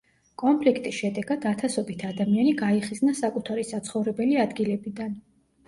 კონფლიქტის შედეგად ათასობით ადამიანი გაიხიზნა საკუთარი საცხოვრებელი ადგილებიდან.